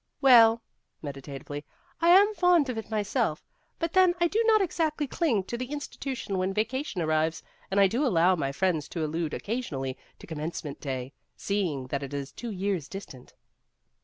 " Well," meditatively, " I am fond of it myself, but then I do not exactly cling to the institution when vacation arrives, and I do allow my friends to allude occasion ally to Commencement Day, seeing that it is two years distant."